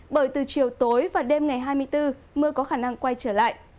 bởi từ chiều tối và đêm ngày hai mươi bốn mưa có khả năng quay trở lại